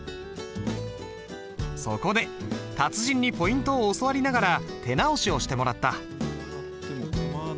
そこで達人にポイントを教わりながら手直しをしてもらった。